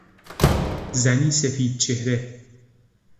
زنی سفید چهره